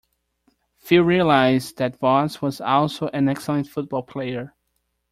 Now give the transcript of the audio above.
Few realize that Voss was also an excellent football player.